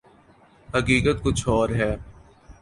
حقیقت کچھ اور ہے۔